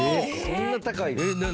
そんな高いの？